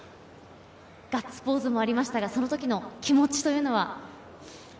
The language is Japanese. ガッツポーズもありましたが、その時の気持ちは？